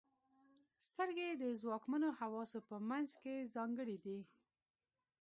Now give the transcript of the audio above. • سترګې د ځواکمنو حواسو په منځ کې ځانګړې دي.